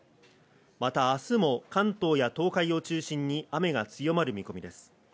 また明日も関東や東海を中心に雨が強まる見込みです。